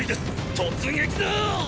突撃だッ！